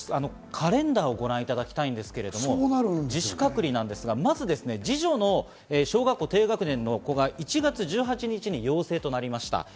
カレンダーをご覧いただきたいんですけれど、自主隔離なんですが二女の小学校低学年の子が１月１８日に陽性となりました。